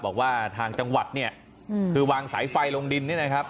บอกว่าทางจังหวัดเนี่ยคือวางสายไฟลงดินนี่นะครับ